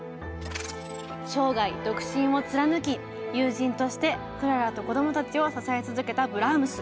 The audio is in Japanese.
生涯独身を貫き友人としてクララとこどもたちを支え続けたブラームス。